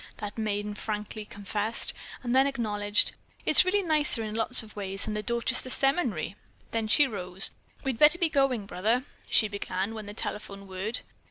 that maiden frankly confessed; then acknowledged, "It's really nicer in lots of ways than the Dorchester Seminary." Then she rose. "We'd better be going, Brother," she began when the telephone whirred.